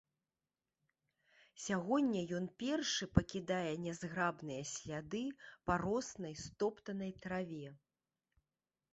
Сягоння ён першы пакідае нязграбныя сляды па роснай стоптанай траве.